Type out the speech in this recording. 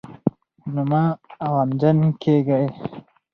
نو مه غمجن کېږئ